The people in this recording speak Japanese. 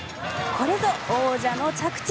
これぞ王者の着地！